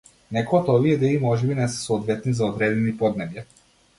Некои од овие идеи можеби не се соодветни за одредени поднебја.